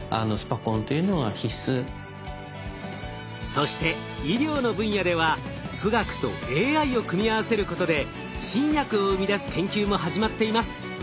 そして医療の分野では富岳とＡＩを組み合わせることで新薬を生み出す研究も始まっています。